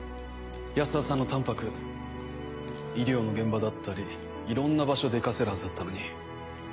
安田さんのタンパク医療の現場だったりいろんな場所で生かせるはずだったのに。